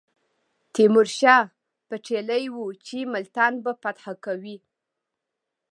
تیمور شاه پتېیلې وه چې ملتان به فتح کوي.